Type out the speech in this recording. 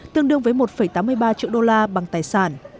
tương đương với một tám mươi ba triệu đô la bằng tài sản